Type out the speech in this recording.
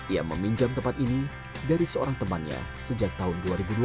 ia meminjam tempat ini dari seorang temannya sejak tahun dua ribu dua belas